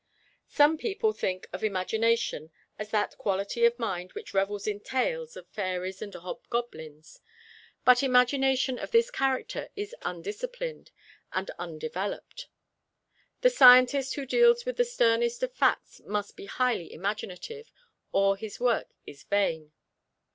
Simple people think of imagination as that quality of mind which revels in tales of fairies and hobgoblins, but imagination of this character is undisciplined and undeveloped. The scientist who deals with the sternest of facts must be highly imaginative, or his work is vain.